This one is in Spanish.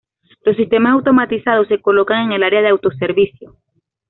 Los sistemas automatizados se colocan en el área de autoservicio.